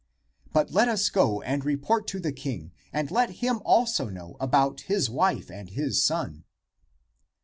But let us go and report to the king, and let him also know about his wife and his son."